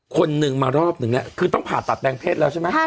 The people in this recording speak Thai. คนหนึ่งมารอบนึงเนี่ยคือต้องผ่าตัดแปลงเพศแล้วใช่ไหม